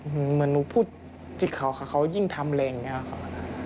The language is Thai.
เหมือนหนูพูดจิตเขาค่ะเขายิ่งทำอะไรอย่างนี้ค่ะ